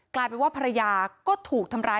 กลายเป็นว่าภรรยาก็ถูกทำร้าย